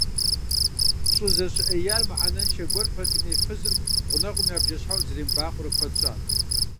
ЩӀызэщыӀеяр мыхьэнэншэ гуэр пэтми, фызыр гъунэгъум я бжэщхьэӀу зэремыбакъуэрэ куэд щӀат.